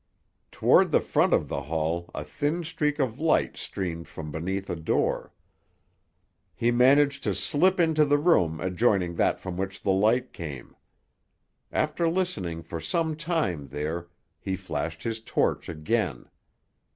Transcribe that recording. Toward the front of the hall a thin streak of light streamed from beneath a door. He managed to slip into the room adjoining that from which the light came. After listening for some time there, he flashed his torch again.